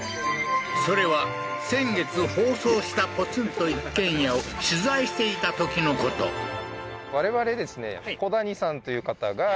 それは先月放送したポツンと一軒家を取材していたときのことあっえっ？